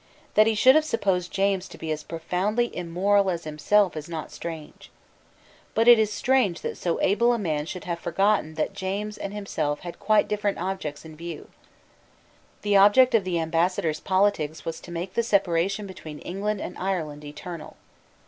That he should have supposed James to be as profoundly immoral as himself is not strange. But it is strange that so able a man should have forgotten that James and himself had quite different objects in view. The object of the Ambassador's politics was to make the separation between England and Ireland eternal.